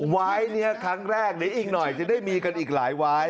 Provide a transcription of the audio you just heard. วายนี้ครั้งแรกเดี๋ยวอีกหน่อยจะได้มีกันอีกหลายวาย